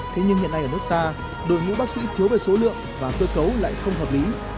thế nhưng hiện nay ở nước ta đội ngũ bác sĩ thiếu về số lượng và cơ cấu lại không hợp lý